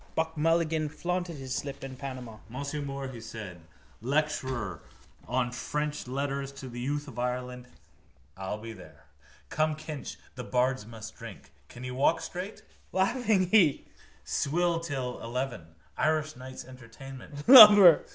Buck Mulligan flaunted his slip and panama. —Monsieur Moore, he said, lecturer on French letters to the youth of Ireland. I'll be there. Come, Kinch, the bards must drink. Can you walk straight? Laughing, he... Swill till eleven. Irish nights entertainment.